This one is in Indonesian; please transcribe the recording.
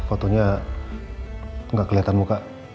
fotonya gak keliatan muka